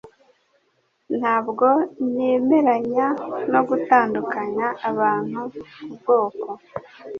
Ntabwo nemeranya no gutandukanya abantu kubwoko.